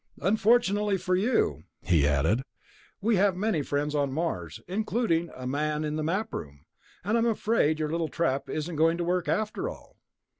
"Unfortunately for you," he added, "we have many friends on Mars ... including a man in the Map room ... and I'm afraid your little trap isn't going to work after all."